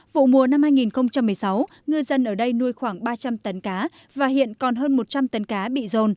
vụ mùa năm hai nghìn một mươi sáu ngư dân ở đây nuôi khoảng ba trăm linh tấn cá và hiện còn hơn một trăm linh tấn cá bị rồn